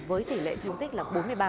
với tỷ lệ phương tích là bốn mươi ba